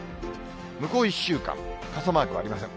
向こう１週間、傘マークありません。